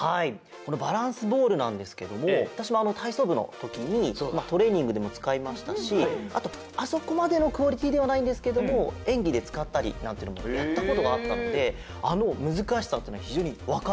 このバランスボールなんですけどもわたしもたいそうぶのときにトレーニングでもつかいましたしあとあそこまでのクオリティーではないんですけどもえんぎでつかったりなんていうのもやったことがあったのであのむずかしさというのはひじょうにわかるんですよ。